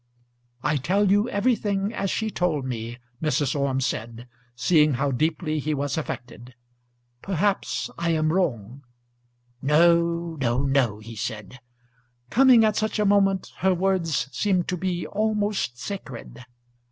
"I tell you everything as she told me," Mrs. Orme said, seeing how deeply he was affected. "Perhaps I am wrong." "No, no, no," he said. "Coming at such a moment, her words seemed to be almost sacred."